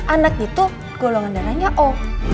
anak itu golongan darahnya o